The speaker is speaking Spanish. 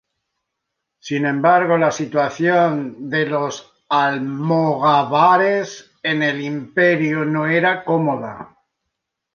Sin embargo, la situación de los almogávares en el Imperio no era cómoda.